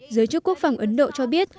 giới chức quốc phòng ấn độ cho biết